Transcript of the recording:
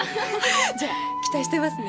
じゃ期待してますね